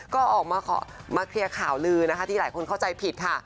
ก็ออกมาเคลียร์ข่าวลือนะคะที่หลายคนเข้าใจผิดค่ะ